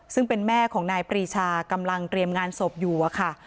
ซึ่งเป็นแม่ของนายปรีชากำลังเตรียมงานศพอยู่อะค่ะ